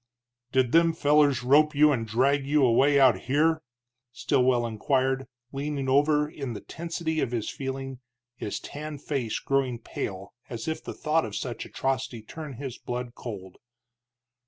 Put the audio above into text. "Did them fellers rope you and drag you away out here?" Stilwell inquired, leaning over in the tensity of his feeling, his tanned face growing pale, as if the thought of such atrocity turned his blood cold.